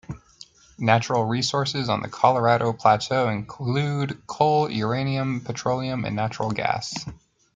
Natural resources on the Colorado Plateau include coal, uranium, petroleum, and natural gas.